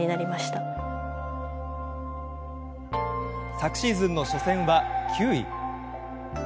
昨シーズンの初戦は９位。